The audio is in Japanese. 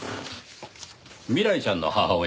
未来ちゃんの母親